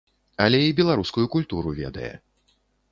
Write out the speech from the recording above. Але і беларускую культуру ведае.